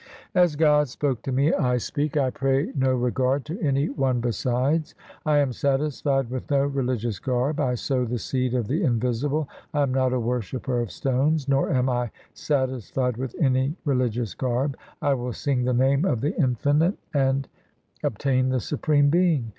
As God spoke to me I speak, I pay no regard to any one besides. I am satisfied with no religious garb ; I sow the seed of the Invisible. I am not a worshipper of stones, Nor am I satisfied with any religious garb. I will sing the Name of the Infinite, And obtain the Supreme Being.